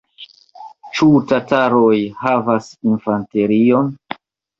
Ĉu tataroj havas infanterion?